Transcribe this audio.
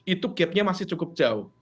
itu gapnya masih cukup jauh